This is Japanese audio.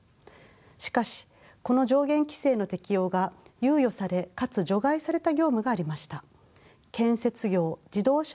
しかしこの上限規制の適用が猶予されかつ除外された業務がありました。